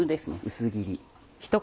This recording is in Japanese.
薄切り。